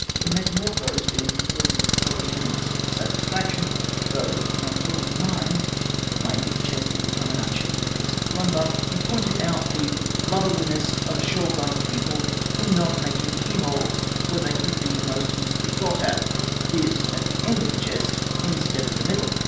The metamorphose being completed to the heu tenant's satisfaction, though not at all to mine, for my neat chest had become an unshapely piece of lumber, he pointed out the " lubberliness of shore going people in not making keyholes where they could be most easily got at," viz. at the end of a chest instead of the middle